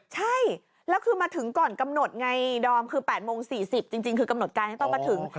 ใช่แล้วคือมาถึงก่อนกำหนดไงดอมคือ๘โมง๔๐จริงคือกำหนดการให้ต้องมาถึง